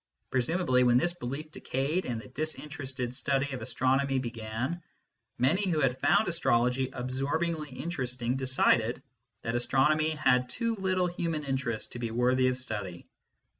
Pre sumably, when this belief decayed and the disinterested study of astronomy began, many who had found astrology absorbingly interesting decided that astronomy had too little human interest to be worthy of study.